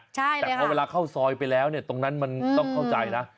ใช่เลยค่ะแต่พอเวลาเข้าซอยไปแล้วตรงนั้นมันต้องเข้าใจนะ